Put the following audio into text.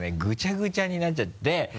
ぐちゃぐちゃになっちゃって。